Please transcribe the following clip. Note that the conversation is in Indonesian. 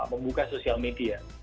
membuka social media